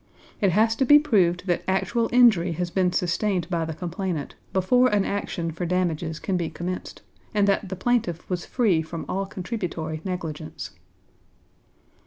It has to be proved that actual injury has been sustained by the complainant before an action for damages can be commenced, and that the plaintiff was free from all contributory negligence.